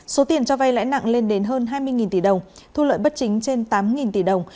số tiền cho vay lãi nặng lên đến hơn hai mươi tỷ đồng thu lợi bất chính trên tám tỷ đồng